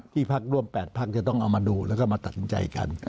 พักร่วม๘พักจะต้องเอามาดูแล้วก็มาตัดสินใจกัน